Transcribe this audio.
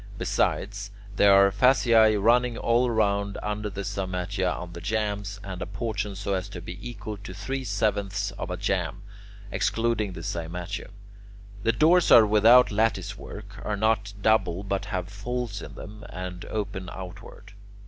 Besides, there are fasciae running all round under the cymatia on the jambs, and apportioned so as to be equal to three sevenths of a jamb, excluding the cymatium. The doors are without lattice work, are not double but have folds in them, and open outward.